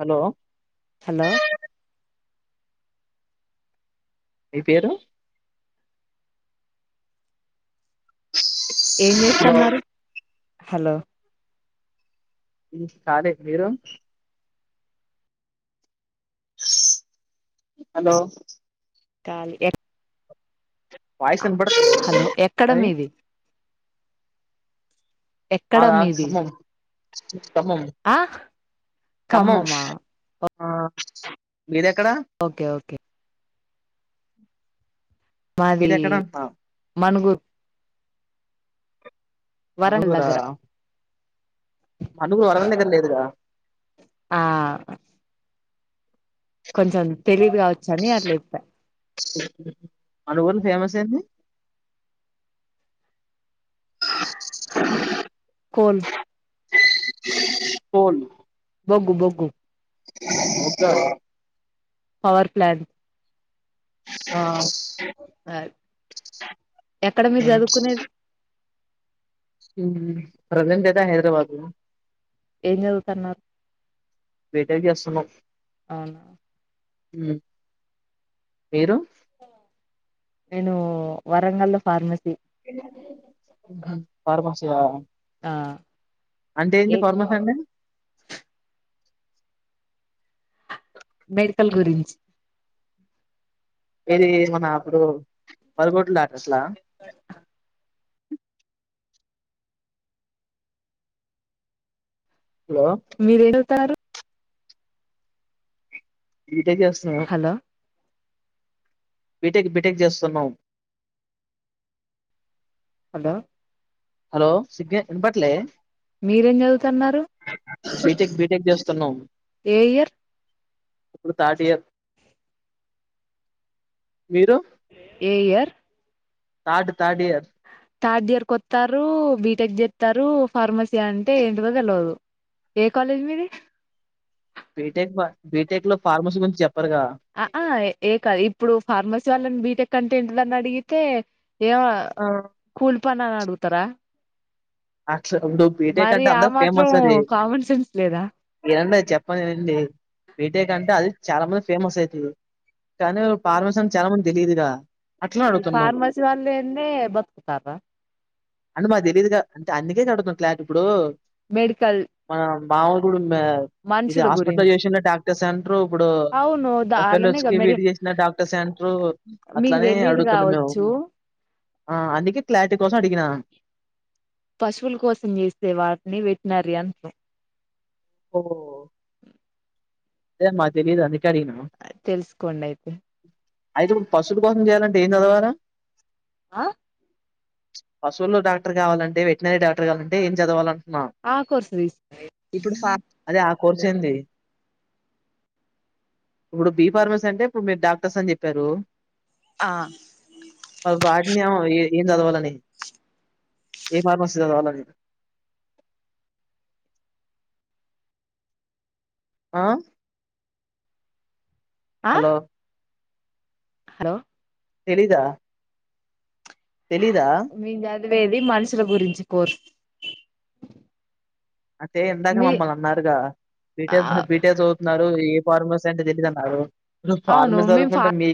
hello hello మీ పేరు ఏం హలో చేస్తన్నారు హలో ఇ కాలి మీరు హలో కాలి ఎ వాయిస్ వినపడుతుందా అండి ఎక్కడ నాది మీది ఎక్కడ మాదా మీది ఖమ్మం ఖమ్మం ఆ ఖమ్మం ఖమ్మమా ఆ మీదెక్కడ ఓకే ఓకే మాది మీదెక్కడ అంటున్నా మనుగూరు వరంగల్ మనుగూరా దగ్గర మనుగు వరంగల్ దగ్గర లేదుగా ఆ కొంచెం తెలివిగా వచ్చని అట్లా చెప్ప మనుగూరు లో ఫేమస్ ఏంది [unintelligible] కోల్ పోన్ బొగ్గు బొగ్గు వచ్చారా పవర్ ప్లాంట్ ఆ ఎక్కడ మీరు ఉమ్ చదువుకునేది ప్రెసెంట్ ఐతే హైదరాబాద్ లో ఏం చదువుతన్నారు బిటెక్ చేస్తున్నాం అవునా ఉమ్ మీరు నేను వరంగల్ లో ఫార్మసీ ఫార్మసి యా ఆ అంటే ఏ ఏంది ఫార్మసీ అంటే మెడికల్ గురించి ఇది మన అప్పుడు బరిగోడ్ ల డాక్టర్సలా హలో మీరే ఎడా వస్తానారు బీటెక్ చేస్తున్నాం హలో బీటెక్ బీటెక్ చేస్తున్నాం హలో హలో సిగే వినపట్లే మీరేం చదువుతున్నారు బీటెక్ బీటెక్ చేస్తున్నాం ఏ ఇయర్ ఇప్పుడు థర్డ్ ఇయర్ మీరు ఏ year third third year third year కు వస్తారూ బీటెక్ చేస్తారూ ఫార్మసీ అంటే ఏంటిదో తెలవదు ఏ కాలేజ్ మీది బీటెక్ మా బీటెక్ లో ఫార్మసీ గురించి చెప్ప ఆ ఆ ఏ కాదు ఇప్పుడు ఫార్మసీ వాళ్ళని బీటెక్ అంటే ఏంటిదని అడిగితే ఏమో కూలిపని అని అడుగుతార అట్లు ఉండు బీటెక్ అంటే ఆ అందరు మాత్రం ఫేమస్ అది కామన్ సెన్స్ లేదా ఏం చెప్పను వినండి బీటెక్ అంటే అది చాలా మంది ఫేమస్ అయితుంది కానీ ఫార్మసి చాలా మందికి తెలిదుగా ఈ ఫార్మసి వాళ్ళు లేనిదే బతుకుతారా అంటే మాకు తెలీయదుగా అంటే అందుకే అడుగుతున్నా క్లారిటీ ఇప్పుడు మెడికల్ పాములు కూడా ఉన్న ఇది మనుషుల హాస్పిటలో గురించి చేసిన డాక్టర్ సే అంటారు ఇప్పుడు అవును ద అలానే బఫెలోస్ గా కి మెడి వీటికి చేసిన డాక్టర్ సే అంట ప్పుడు మీకు అట్లానే తెలీదు అడుగుతున్నా మేము కావచ్చు అందుకే క్లారిటీ కోసం అడిగిన పశువుల కోసం చేసే వాటిని వెటనరీ అంటాం ఓ అదే మాకు తెలిదు అది తెలుసుకోండి అయితే అయితే ఇప్పుడు పశువులా కోసం చేయాలంటే ఏం చదవాలా ఆ పశువుల్లో డాక్టర్ కావాలంటే వెెటనరీ డాక్టర్ కావాలంటే ఏం చదవాలా ఆ కోర్స్ తీసి ఇప్పుడు ఫ అదే ఆ కోర్స్ ఏంది ఇప్పుడు బి ఫార్మసీ అంటే ఇప్పుడు మీరు డాక్టర్స్ అని చెప్పారు ఆ మరి వాటినవ్ ఎ ఏం చదవాలని ఏ ఫార్మసీ చదవాలని [inaudible] ఆహ్ ఆ హలో హలో తెలీదా తెలీదా లేది మనుషుల గురించి కోర్స్ అంటే ఇందాక మీ మమ్మల్ని అన్నారుగా ఆ బీటేస్ బీటేస్ చదువుతున్నారు ఏం ఫార్మస్ అంటే తెలీదు అన్నారూ నువ్ అవును ఫార్మస్ మేము ఫార్ చదువుకుంటే మీ